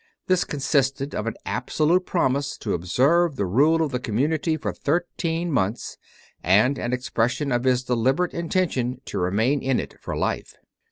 This con sisted of an absolute promise to observe the rule of the community for thirteen months, and an expres sion of his deliberate intention to remain in it for life.